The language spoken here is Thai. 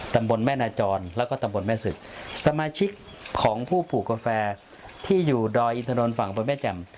ตำบลแม่นาจรแล้วก็ตำบลแม่ศึกสมาชิกของผู้ปลูกกาแฟที่อยู่ดอยอินทนนท์ฝั่งบนแม่แจ่ม